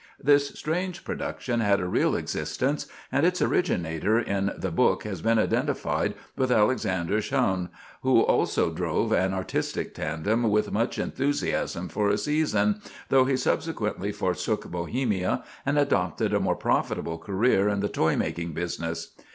This strange production had a real existence, and its originator in the book has been identified with Alexandre Schaune, who also drove an artistic tandem with much enthusiasm for a season, though he subsequently forsook Bohemia and adopted a more profitable career in the toy making business.